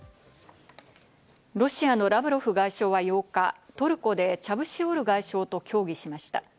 ロシアのラブロフ外相は８日、トルコでチャブシオール外相と協議しました。